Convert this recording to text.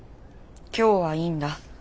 今日はいいんだ。